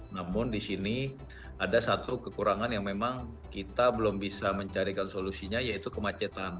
namun di sini ada satu kekurangan yang memang kita belum bisa mencarikan solusinya yaitu kemacetan